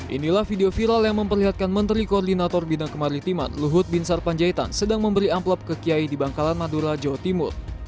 inilah video viral yang memperlihatkan menteri koordinator bidang kemaritiman luhut bin sarpanjaitan sedang memberi amplop ke kiai di bangkalan madura jawa timur